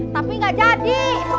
tapi gak jadi